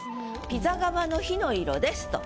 ピザ窯の火の色ですと。